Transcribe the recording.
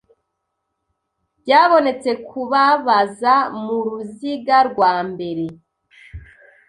Byabonetse kubabaza muruziga rwambere